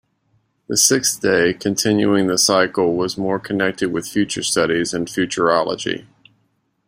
The sixth day, continuing the cycle, was more connected with future studies and futurology.